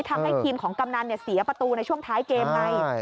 ทำให้ทีมของกำนันเสียประตูในช่วงท้ายเกมไง